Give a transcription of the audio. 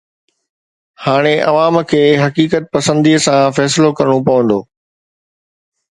هاڻي عوام کي حقيقت پسنديءَ سان فيصلو ڪرڻو پوندو.